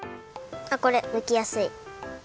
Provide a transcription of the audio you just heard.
これむきやすい。